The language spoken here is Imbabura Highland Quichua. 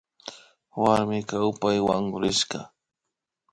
Warmi kawpay wankurishka